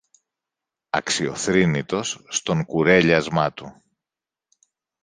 αξιοθρήνητος στον κουρέλιασμα του.